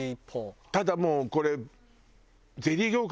ただもうこれ。